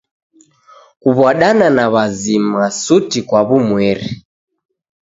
Kuw'adana na w'azima suti kwa w'umweri.